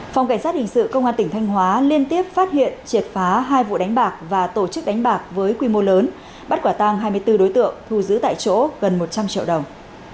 phòng cảnh sát hình sự công an tỉnh thanh hóa liên tiếp phát hiện triệt phá hai vụ đánh bạc và tổ chức đánh bạc với quy mô lớn bắt quả tang hai mươi bốn đối tượng thu giữ tại chỗ gần một trăm linh triệu đồng